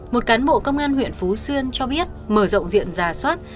một cán bộ công an huyện phú xuyên cho biết mở rộng diện giả soát